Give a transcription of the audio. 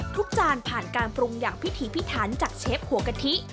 จานผ่านการปรุงอย่างพิธีพิถันจากเชฟหัวกะทิ